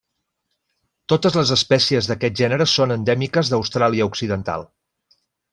Totes les espècies d'aquest gènere són endèmiques d'Austràlia Occidental.